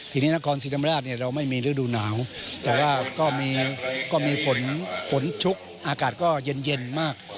ทีนี้นครสิทธิ์ธรรมดาเราไม่มีฤดูหนาวแต่ว่าก็มีฝนชุกอากาศก็เย็นมาก